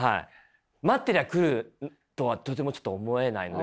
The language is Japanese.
待ってりゃ来るとはとてもちょっと思えないので。